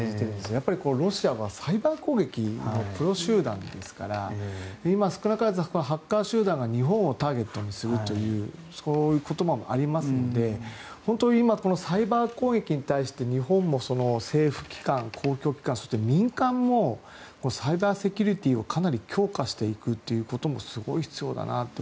やっぱりロシアはサイバー攻撃のプロ集団ですからハッカー集団が日本をターゲットにするという本当に今サイバー攻撃に対して日本も政府機関、公共機関そして民間もサイバーセキュリティーを強化することも必要だなと。